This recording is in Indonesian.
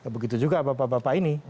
begitu juga bapak bapak ini